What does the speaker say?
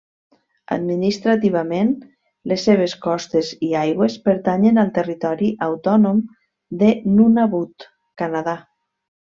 Administrativament les seves costes i aigües pertanyen al territori autònom de Nunavut, Canadà.